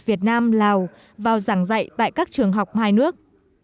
việt nam lào vào giảng dạy tại các trường học hai nước